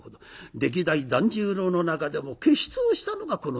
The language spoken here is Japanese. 歴代團十郎の中でも傑出をしたのがこの二代目ってえ人。